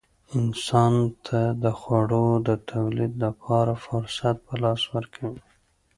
انسان ته د خوړو د تولید لپاره فرصت په لاس ورکوي.